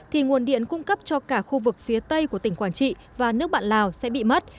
thì nguồn điện cung cấp cho cả khu vực phía tây của tỉnh quảng trị và nước bạn lào sẽ bị mất